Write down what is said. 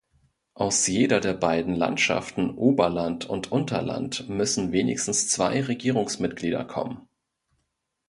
Aus jeder der beiden Landschaften Oberland und Unterland müssen wenigstens zwei Regierungsmitglieder kommen.